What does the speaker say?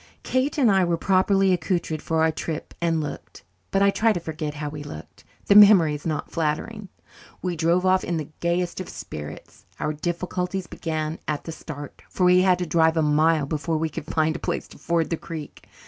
Kate and I were properly accoutred for our trip and looked but I try to forget how we looked! The memory is not flattering. We drove off in the gayest of spirits. Our difficulties began at the start, for we had to drive a mile before we could find a place to ford the creek.